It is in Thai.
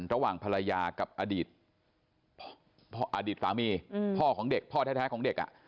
ระหว่างภรรยากับอดีตอดีตสามีพ่อของเด็กพ่อแท้ของเด็ก